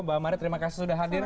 mbak mari terima kasih sudah hadir